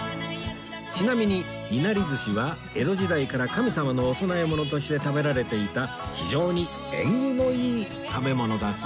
ちなみにいなり寿司は江戸時代から神様のお供え物として食べられていた非常に縁起のいい食べ物だそうですよ